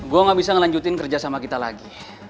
gue gak bisa ngelanjutin kerja sama kita lagi